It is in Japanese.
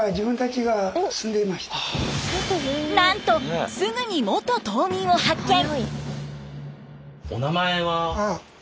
なんとすぐに元島民を発見！